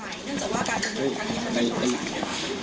นั่นจะว่าการประมูลครั้งนี้มันตรงไหน